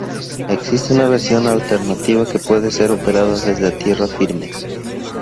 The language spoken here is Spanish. Existe una versión alternativa que puede ser operada desde tierra firme.